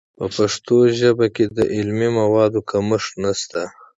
په پښتو ژبه کې د علمي موادو کمښت نشته.